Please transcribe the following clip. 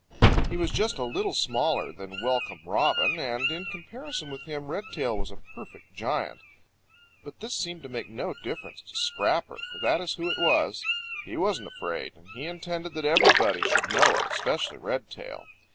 He was just a little smaller than Welcome Robin, and in comparison with him Redtail was a perfect giant. But this seemed to make no difference to Scrapper, for that is who it was. He wasn't afraid, and he intended that everybody should know it, especially Redtail.